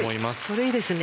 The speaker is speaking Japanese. それいいですね。